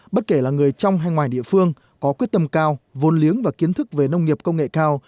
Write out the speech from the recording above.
bất kể là người trong hay ngoài địa phương có quyết tâm cao vốn liếng và kiến thức về nông nghiệp công nghệ cao